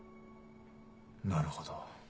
なるほど。